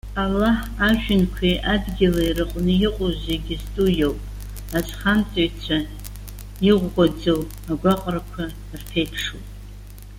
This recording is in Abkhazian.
Аллаҳ ажәҩанқәеи адгьыли рыҟны иҟоу зегьы зтәу иоуп. Азхамҵаҩцәа иӷәӷәаӡоу агәаҟрақәа рԥеиԥшуп!